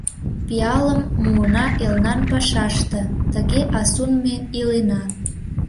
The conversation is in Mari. Пиалым муына элнан пашаште, — Тыге асун ме илена.